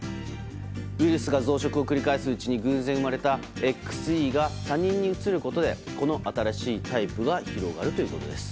ウイルスが増殖を繰り返すうちに偶然生まれたＸＥが他人にうつることでこの新しいタイプが広がるということです。